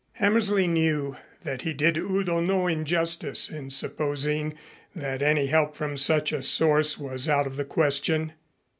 Hammersley knew that he did Udo no injustice in supposing that any help from such a source was out of the question.